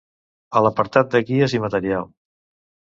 A l'apartat de guies i material.